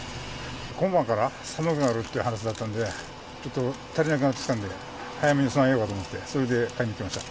今晩から寒くなるっていう話だったんで、ちょっと足りなくなってきたんで、早めに備えようと思って、それで買いに来ました。